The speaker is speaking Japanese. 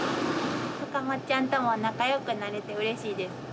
さかもっちゃんとも仲良くなれてうれしいです。